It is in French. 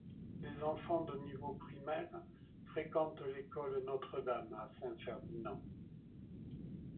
Les enfants de niveau primaire fréquentent l'école Notre-Dame à Saint-Ferdinand.